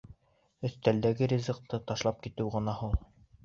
Өҫтәлдәге ризыҡты ташлап китеү гонаһ ул.